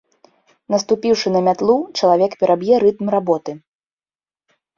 Наступіўшы на мятлу, чалавек пераб'е рытм работы.